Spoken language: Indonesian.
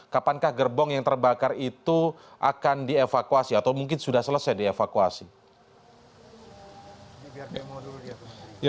kapankah gerbong yang terbakar itu akan dievakuasi atau mungkin sudah selesai dievakuasi